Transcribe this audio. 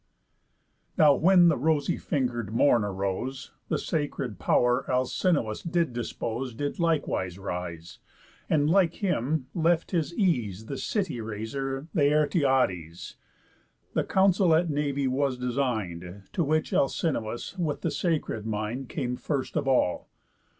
Now when the rosy finger'd Morn arose, The sacred pow'r Alcinous did dispose Did likewise rise; and, like him, left his ease The city razer Laertiades. The Council at the navy was design'd; To which Alcinous, with the sacred mind, Came first of all.